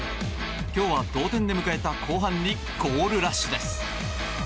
今日は同点で迎えた後半にゴールラッシュです。